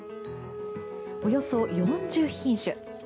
およそ４０品種。